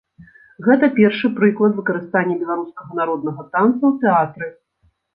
Гэта першы прыклад выкарыстання беларускага народнага танца ў тэатры.